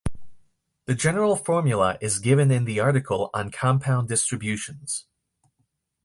The general formula is given in the article on compound distributions.